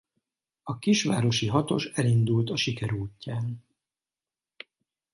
A kisvárosi hatos elindult a siker útján.